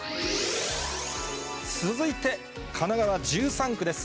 続いて神奈川１３区です。